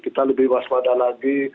kita lebih waspada lagi